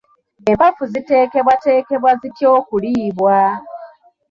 Empafu ziteekebwateekebwa zitya okuliibwa?